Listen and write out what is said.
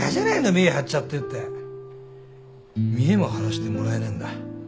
見え張っちゃって」って見えも張らしてもらえねえんだ。